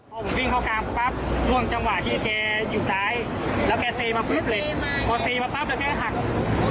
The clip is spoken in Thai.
พอผมกินเข้ากลางปั๊บช่วงจังหวะที่แกอยู่ซ้าย